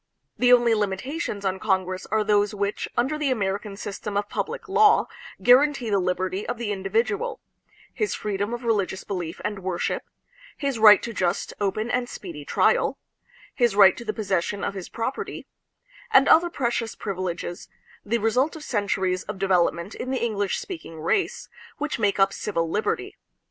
The only limitations on Con gress are those which, under the American system of public law, guarantee the liberty of the individual, his freedom of religious belief and worship; his right to just, open, and speedy trial; his right to the possession of his prop erty; and other precious privileges, the result of centuries of development in the English speaking race, which make up civil liberty.